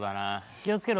気を付けろ。